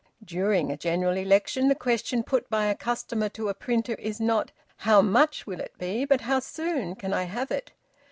During a general election the question put by a customer to a printer is not, "How much will it be?" but "How soon can I have it?"